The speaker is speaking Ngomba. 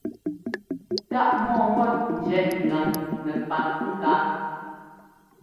Táʼ mɔɔmbɔ́t njiɛ́ʼ ŋgan nɛpatŋkáʼ.